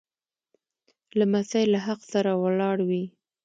لمسی له حق سره ولاړ وي.